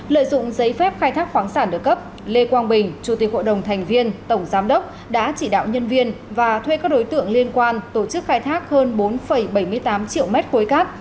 lợi dụng giấy phép khai thác khoáng sản được cấp lê quang bình chủ tịch hội đồng thành viên tổng giám đốc đã chỉ đạo nhân viên và thuê các đối tượng liên quan tổ chức khai thác hơn bốn bảy mươi tám triệu mét khối cát